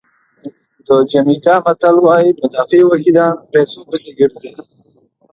د جمیکا متل وایي مدافع وکیلان پیسو پسې ګرځي.